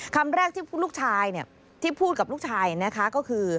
คำแรกที่พูดลูกชายก็คือ